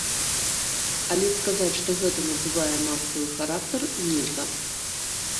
Але сказаць, што гэта набывае масавы характар, нельга.